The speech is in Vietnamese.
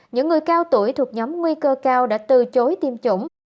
những người cao tuổi thuộc nhóm nguy cơ cao đã từ chối tiêm chủng